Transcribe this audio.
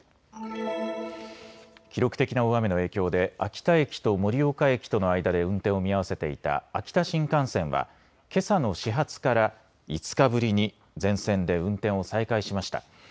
記録的な大雨の影響で秋田駅と盛岡駅との間で運転を見合わせていた秋田新幹線はけさの始発から５日ぶりに全線で運転を再開しました。